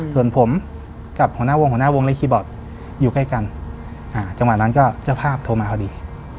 ส่วนผมกับหัวหน้าวงหัวหน้าวงและคีย์บอร์ดอยู่ใกล้กันจังหวะนั้นก็เจ้าภาพโทรมาพอดี